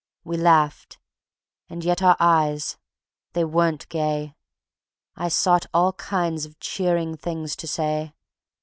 We laughed. And yet our eyes, they weren't gay. I sought all kinds of cheering things to say.